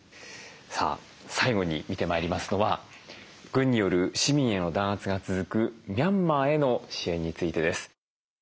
さあ最後に見てまいりますのは軍による市民への弾圧が続くミャンマーへの支援についてです。